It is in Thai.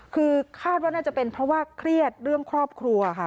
คือคาดว่าน่าจะเป็นเพราะว่าเครียดเรื่องครอบครัวค่ะ